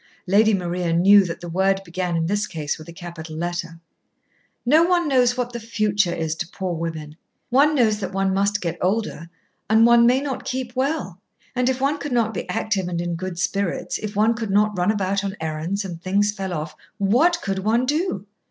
(Lady Maria knew that the word began in this case with a capital letter.) "No one knows what the Future is to poor women. One knows that one must get older, and one may not keep well, and if one could not be active and in good spirits, if one could not run about on errands, and things fell off, what could one do?